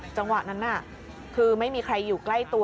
จังหวะนั้นน่ะคือไม่มีใครอยู่ใกล้ตัว